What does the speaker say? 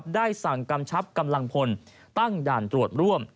ได้สั่งกำชับกำลังพลตั้งด่านตรวจร่วม